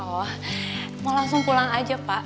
wah mau langsung pulang aja pak